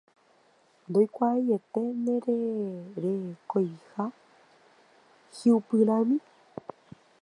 Ndoikuaaiete ndererekoiha hi'upyrãmi.